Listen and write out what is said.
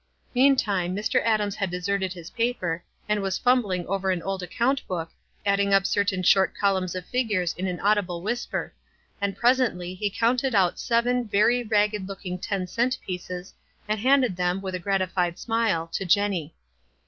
Meantime, Mr. Adams had deserted his paper, and was fumbling over an old account book, adding up certain short columns of figures in an audible whisper ; and presently he counted out seven very ragged looking ten cent pieces and handed them, with a gratified smile, to Jenny.